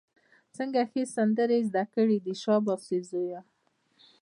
څنګه ښې سندرې یې زده کړې دي، شابسي زویه!